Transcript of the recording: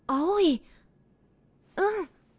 うん。